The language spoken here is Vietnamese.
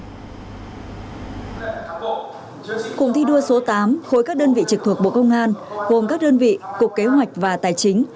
cụm thi đua số tám khối các đơn vị trực thuộc bộ công an gồm các đơn vị cục kế hoạch và tài chính